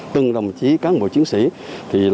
từng đồng chí các bộ chiến sĩ